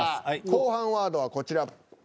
後半ワードはこちら。